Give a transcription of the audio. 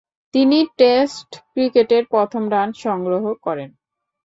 তিনি টেস্ট ক্রিকেটের প্রথম রান সংগ্রহ করেন।